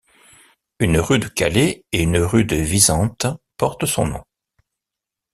Une rue de Calais et une rue de Wissant portent son nom.